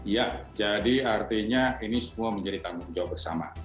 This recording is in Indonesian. ya jadi artinya ini semua menjadi tanggung jawab bersama